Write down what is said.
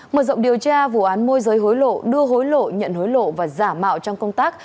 mở rộng điều tra vụ án môi giới hối lộ đưa hối lộ nhận hối lộ và giả mạo trong công tác